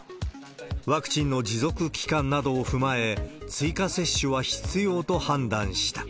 ワクチンの持続期間などを踏まえ、追加接種は必要と判断した。